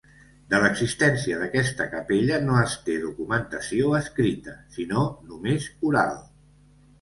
De l'existència d'aquesta capella no es té documentació escrita, sinó només oral.